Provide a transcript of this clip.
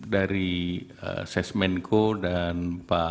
dari ses menko pmk pak andi migantara